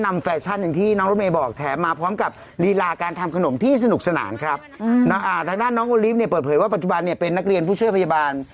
น้องโรมเมย์บอกแถมมาพร้อมกับรีลาการทำขนมที่สนุกสนานครับทางหน้าน้องโอลีฟเปิดเผยว่าปัจจุบันเป็นนักเรียนผู้เชื่อพยาบาล